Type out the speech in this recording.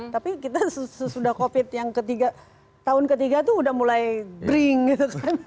tapi kita sesudah covid yang ketiga tahun ketiga tuh udah mulai bring gitu kan